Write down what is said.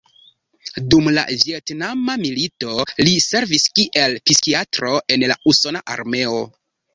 Dum la Vjetnama milito li servis kiel psikiatro en la usona armeo.